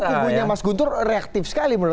kok kubunya mas guntur reaktif sekali